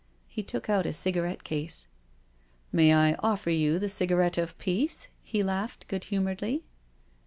He took out a cigarette case. " May I offer you the cigarette of peace?" He laughed good humouredly.